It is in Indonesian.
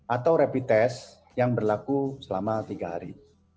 atau rapid test yang berlaku selama tiga hari